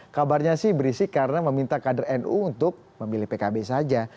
kabarnya sih berisik karena meminta kader nu untuk memilih pkb saja